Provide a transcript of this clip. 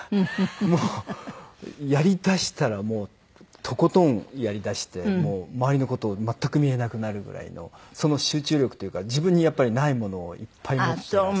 もうやりだしたらとことんやりだしてもう周りの事を全く見えるなくなるぐらいのその集中力というか自分にやっぱりないものをいっぱい持ってます。